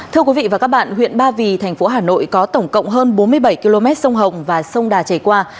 thưa quý vị và các bạn huyện ba vì thành phố hà nội có tổng cộng hơn bốn mươi bảy km sông hồng và sông đà chảy qua